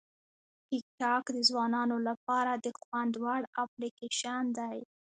ټیکټاک د ځوانانو لپاره د خوند وړ اپلیکیشن دی.